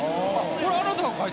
これあなたが描いたんか？